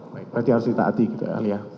baik berarti harus ditaati gitu ya